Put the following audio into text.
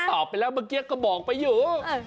ตอบไปแล้วเมื่อกี้ก็บอกไปอยู่